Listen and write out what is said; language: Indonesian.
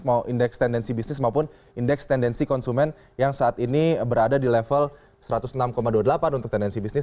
mau indeks tendensi bisnis maupun indeks tendensi konsumen yang saat ini berada di level satu ratus enam dua puluh delapan untuk tendensi bisnis